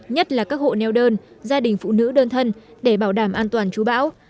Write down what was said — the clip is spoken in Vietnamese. nhất là các hộ neo đơn gia đình phụ nữ đơn thân để bảo đảm an toàn chú bão